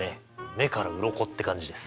「目から鱗」って感じです。